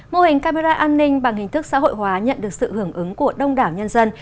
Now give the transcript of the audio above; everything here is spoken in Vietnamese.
mô hình camera an ninh bằng hình thức xã hội hóa nhận được sự hưởng ứng của đông đảo nhân dân